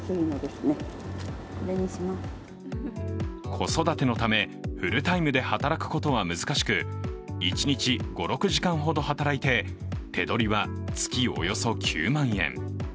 子育てのため、フルタイムで働くことは難しく一日、５６時間ほど働いて手取りは月およそ９万円。